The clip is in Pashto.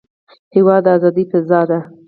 هېواد د ازادۍ فضا ده.